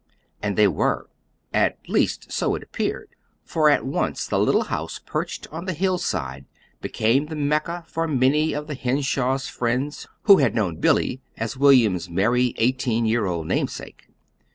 And they were at least, so it appeared. For at once the little house perched on the hillside became the Mecca for many of the Henshaws' friends who had known Billy as William's merry, eighteen year old namesake.